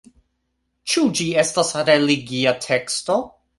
Ĉu ĝi estas religia teksto?